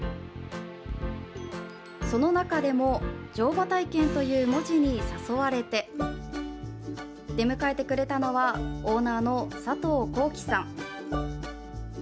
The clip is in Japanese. その中でも乗馬体験という文字に誘われて出迎えてくれたのはオーナーの佐藤幸基さん。